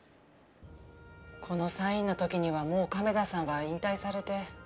このサインの時にはもう亀田さんは引退されて。